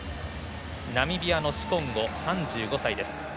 ナミビアのシコンゴ、３５歳です。